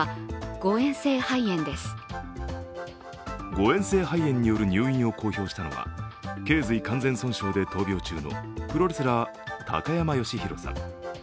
誤えん性肺炎による入院を公表したのは頸髄完全損傷で闘病中のプロレスラー高山善廣さん。